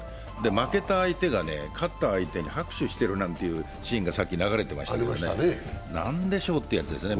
負けた相手が勝った相手に拍手してるなんていうシーンがさっき流れてましたけど、何でしょうってことですよね。